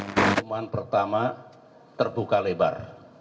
pertemuan pertama terbuka lebar